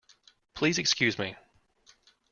Please excuse me.